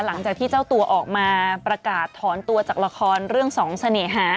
หลังจากที่เจ้าตัวออกมาประกาศถอนตัวจากละครเรื่องสองเสน่หา